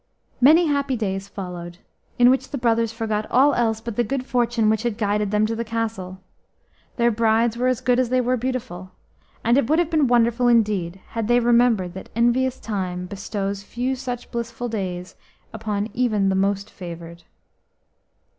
Many happy days followed, in which the brothers forgot all else but the good fortune which had guided them to the fairy castle. Their brides were as good as they were beautiful, and it would have been wonderful indeed had they remembered that envious Time bestows few such blissful days upon even the most favoured.